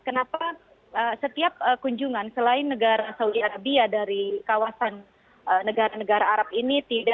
kenapa setiap kunjungan selain negara saudi arabia dari kawasan negara negara arab ini